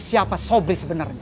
siapa sobri sebenarnya